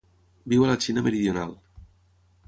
Viu a la Xina meridional.